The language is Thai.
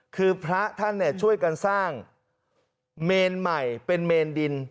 คือพระท่านช่วยกันสร้างเมนใหม่เป็นเมนดิน